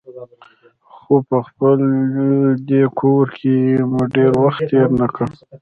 خو په خپل دې کور کې مو ډېر وخت تېر نه کړ.